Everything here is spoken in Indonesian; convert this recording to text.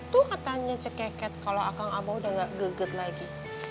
tuh katanya cekeket kalau akang abah udah gak geget lagi